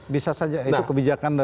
bisa saja itu kebijakan